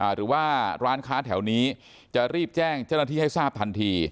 หรือว่าร้านค้าแถวนี้จะรีบแจ้งเจ้าหน้าที่ให้ทราบทันที